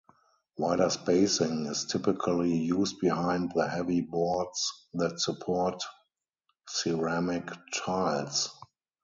Wider spacing is typically used behind the heavy boards that support ceramic tiles.